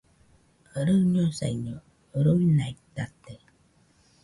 Rɨñosaiño, ruinaitate.